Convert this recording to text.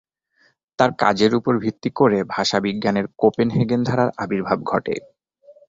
তার কাজের ওপর ভিত্তি করে ভাষাবিজ্ঞানের কোপেনহেগেন ধারার আবির্ভাব ঘটে।